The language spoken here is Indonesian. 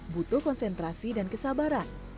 butuh konsentrasi dan kesabaran